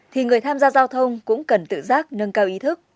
thì người tham gia giao thông cũng cần tự giác nâng cao ý thức